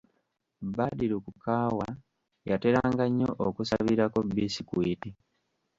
Badru ku kaawa yateranga nnyo okusabirako bisikwiti.